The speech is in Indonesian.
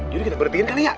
jadi kita berhentiin kali ya